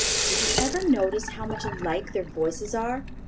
Did you ever notice how much alike their voices are?